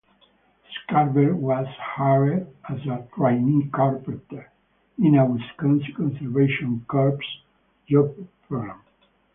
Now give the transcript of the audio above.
Scarver was hired as a trainee carpenter in a Wisconsin Conservation Corps job program.